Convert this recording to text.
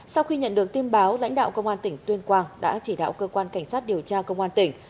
sau khi nhận được tin báo lãnh đạo công an tỉnh tuyên quang đã chỉ đạo cơ quan cảnh sát điều tra công an tỉnh